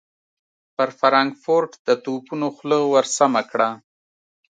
پر فرانکفورټ د توپونو خوله ور سمهکړه.